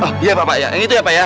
oh iya pak pak yang itu ya pak ya